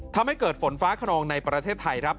ทำให้เกิดฝนฟ้าขนองในประเทศไทยครับ